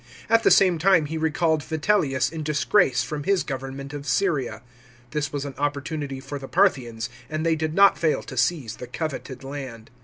At the same time he recalled Vitellius in disgrace from his government of Syria. This was an opportunity for the Parthians, and they did not fail to seize the coveted land.